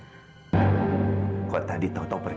strum sebenarnya kau peter